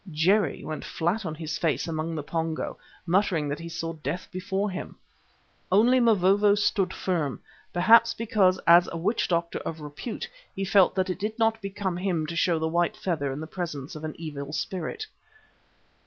Jerry went flat on his face among the Pongo, muttering that he saw Death before him. Only Mavovo stood firm; perhaps because as a witch doctor of repute he felt that it did not become him to show the white feather in the presence of an evil spirit.